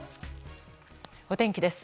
お天気です。